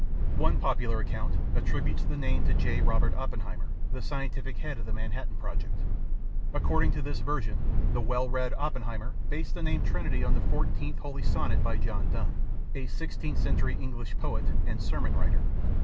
One popular account attributes the name to J. Robert Oppenheimer, the scientific head of the Manhattan Project. According to this version, the well read Oppenheimer based the name Trinity on the fourteenth Holy Sonnet by John Donne, a 16th century English poet and sermon writer.